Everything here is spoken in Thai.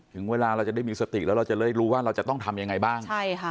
ถึงเวลาเราจะได้มีสติแล้วเราจะได้รู้ว่าเราจะต้องทำยังไงบ้าง